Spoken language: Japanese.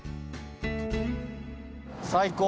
最高。